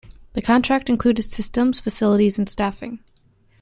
The contract included systems, facilities, and staffing.